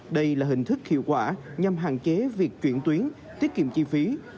đây là hình thức hiệu quả nhằm hạn chế việc chuyển tuyến tiết kiệm chi phí